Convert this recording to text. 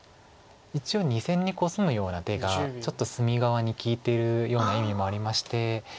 一応２線にコスむような手がちょっと隅側に利いてるような意味もありまして。